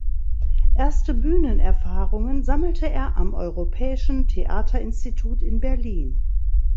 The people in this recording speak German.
Erste Bühnenerfahrungen sammelte er am Europäischen Theaterinstitut in Berlin.